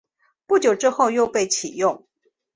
不久之后又被起用。